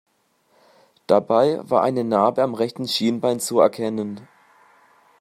Dabei war eine Narbe am rechten Schienbein zu erkennen.